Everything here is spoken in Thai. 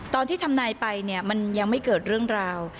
ตอนที่ทำนายไปเนี่ยมันยังไม่เกิดเรื่องราว